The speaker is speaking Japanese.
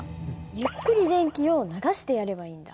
ゆっくり電気を流してやればいいんだ。